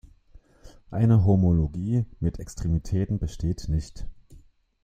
Eine Homologie mit Extremitäten besteht nicht.